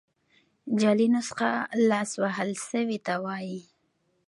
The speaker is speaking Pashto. جعلي نسخه لاس وهل سوي ته وايي.